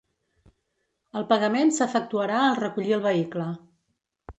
El pagament s'efectuarà al recollir el vehicle.